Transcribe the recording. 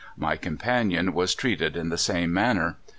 My companion was treated in the same manner.